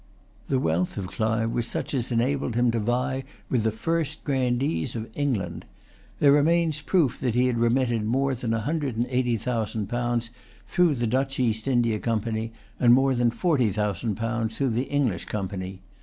The wealth of Clive was such as enabled him to vie with the first grandees of England. There remains proof that he had remitted more than a hundred and eighty thousand pounds through the Dutch East India Company, and more than forty thousand pounds through the English Company.